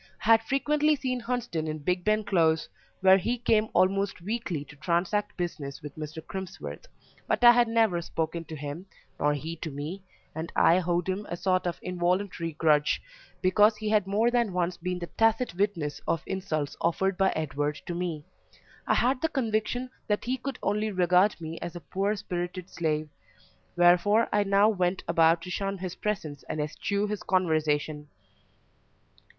I had frequently seen Hunsden in Bigben Close, where he came almost weekly to transact business with Mr. Crimsworth, but I had never spoken to him, nor he to me, and I owed him a sort of involuntary grudge, because he had more than once been the tacit witness of insults offered by Edward to me. I had the conviction that he could only regard me as a poor spirited slave, wherefore I now went about to shun his presence and eschew his conversation.